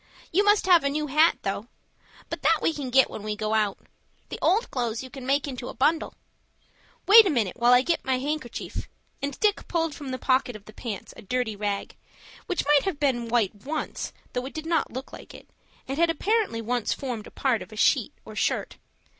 You must have a new hat though. But that we can get when we go out. The old clothes you can make into a bundle." "Wait a minute till I get my handkercher," and Dick pulled from the pocket of the pants a dirty rag, which might have been white once, though it did not look like it, and had apparently once formed a part of a sheet or shirt.